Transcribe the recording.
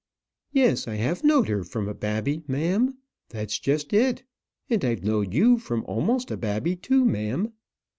"Yes, I have know'd her from a babby, ma'am. That's just it; and I've know'd you from amost a babby too, ma'am."